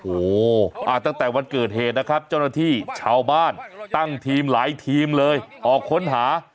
โอ้โหตั้งแต่วันเกิดเหตุนะครับเจ้าหน้าที่ชาวบ้านตั้งทีมหลายทีมเลยออกค้นหา